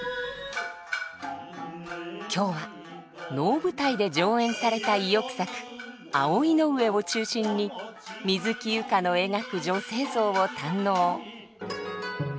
今日は能舞台で上演された意欲作「葵の上」を中心に水木佑歌の描く女性像を堪能。